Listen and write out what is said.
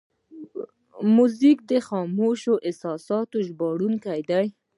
موزیک د خاموشو احساساتو ژباړونکی دی.